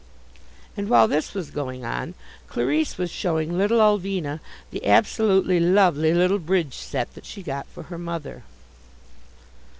And, while this was going on, Clarisse was showing little Ulvina the absolutely lovely little bridge set that she got for her mother.